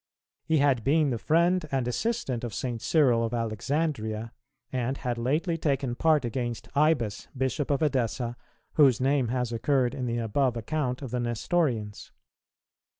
He had been the friend and assistant of St. Cyril of Alexandria, and had lately taken part against Ibas, Bishop of Edessa, whose name has occurred in the above account of the Nestorians.